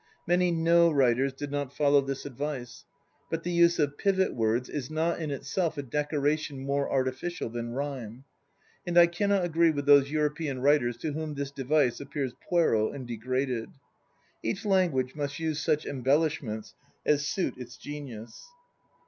Many No writers did not follow this advice; but the use of pivot words is not in itself a decoration more artificial than rhyme, and I cannot agree with those European writers to whom this device appears puerile and degraded. Each language must use such embellishments as suit its genius.